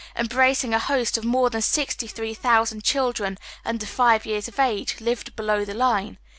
embracing a liosfc of more tlian sixty tln ee thousand chil dren under five years of age, lived beiow tliat line.